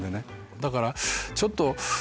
だからちょっと。